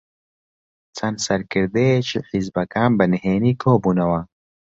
چەند سەرکردەیەکی حیزبەکان بەنهێنی کۆبوونەوە.